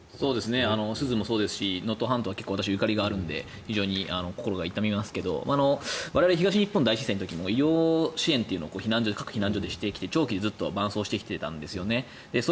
珠洲もそうですし能登半島はゆかりがあるので非常に心が痛みますが我々、東日本大震災の時も医療支援というのを各避難所でしてきて長期で伴走してきたんですよね。